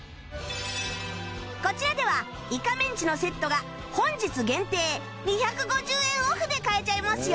こちらではいかめんちのセットが本日限定２５０円オフで買えちゃいますよ